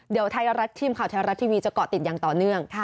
เดี๋ยวคาวไทยรัสทีมข่าวไทยรัสที่วีจะเกาะติดยังต่อเนื่อง